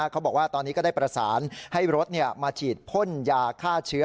เขาบอกว่าตอนนี้ก็ได้ประสานให้รถมาฉีดพ่นยาฆ่าเชื้อ